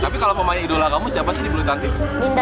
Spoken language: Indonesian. tapi kalau pemain idola kamu siapa sih di bulu tangkis